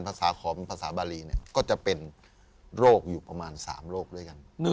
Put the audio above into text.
ขอภาษาบารีเนี่ยก็จะเป็นโรคอยู่ประมาณ๓โรคด้วยกัน